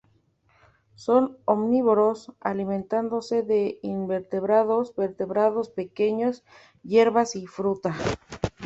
Son omnívoros, alimentándose de invertebrados, vertebrados pequeños, hierbas y fruta.